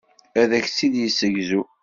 Ad ak-tt-id-yessegzu.